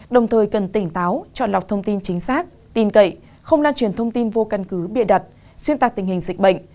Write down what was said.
đồng thời cần tỉnh táo chọn lọc thông tin chính xác tin cậy không lan truyền thông tin vô căn cứ bịa đặt xuyên tạc tình hình dịch bệnh